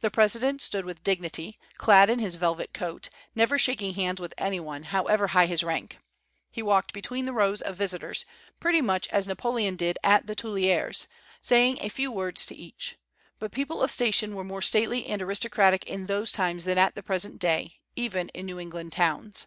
The President stood with dignity, clad in his velvet coat, never shaking hands with any one, however high his rank. He walked between the rows of visitors, pretty much as Napoleon did at the Tuileries, saying a few words to each; but people of station were more stately and aristocratic in those times than at the present day, even in New England towns.